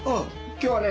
今日はね